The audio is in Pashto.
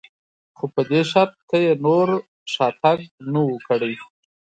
خو په دې شرط که یې نور شاتګ نه و کړی.